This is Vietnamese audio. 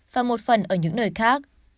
và một phần ở những nơi khác